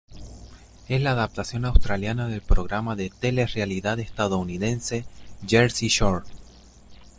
Es la adaptación australiana del programa de telerrealidad estadounidense "Jersey Shore.